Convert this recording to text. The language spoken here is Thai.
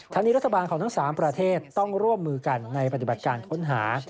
นี้รัฐบาลของทั้ง๓ประเทศต้องร่วมมือกันในปฏิบัติการค้นหา